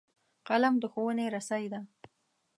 قلم د ښوونې رسۍ ده